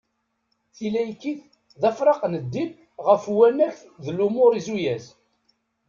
Tilaykit d afraq n ddin ɣef uwanek d lumuṛ izuyaz.